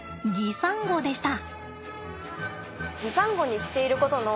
擬サンゴでした。